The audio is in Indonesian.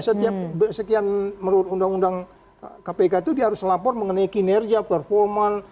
setiap sekian menurut undang undang kpk itu dia harus lapor mengenai kinerja performan